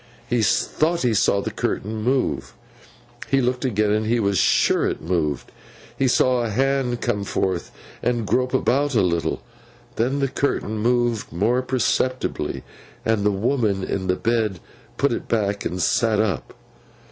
He thought he saw the curtain move. He looked again, and he was sure it moved. He saw a hand come forth and grope about a little. Then the curtain moved more perceptibly, and the woman in the bed put it back, and sat up.